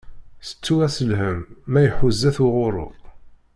Settu-as lhem, ma iḥuza-t uɣuṛṛu.